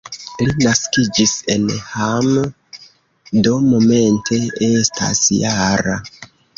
Li naskiĝis en Hamm, do momente estas -jara.